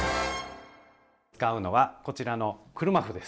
使うのはこちらの車麩です。